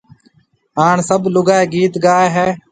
ھاڻ سب لوگائيَ گيت گائيَ ھيََََ